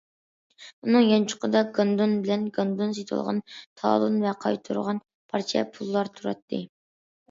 ئۇنىڭ يانچۇقىدا گاندون بىلەن گاندون سېتىۋالغان تالون ۋە قايتۇرغان پارچە پۇللار تۇراتتى.